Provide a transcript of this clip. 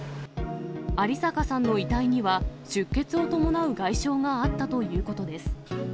有坂さんの遺体には、出血を伴う外傷があったということです。